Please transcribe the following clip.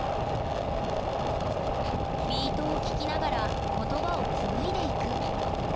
ビートを聴きながら言葉を紡いでいく。